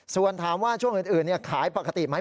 ส่วนถามว่าช่วงอื่นขายปกติไหม